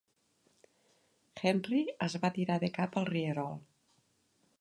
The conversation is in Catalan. Henry es va tirar de cap al rierol.